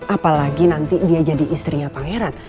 apalagi nanti dia jadi istrinya pangeran